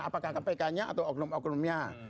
apakah kpk nya atau oknum oknumnya